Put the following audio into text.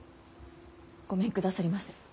ごめんくださりませ。